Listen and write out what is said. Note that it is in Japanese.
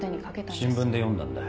新聞で読んだんだ。